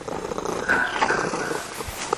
พานขันหมาก